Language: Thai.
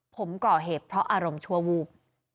ผมก่อเหตุเพราะอารมณ์ชั่ววูบ